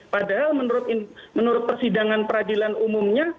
padahal menurut persidangan peradilan umumnya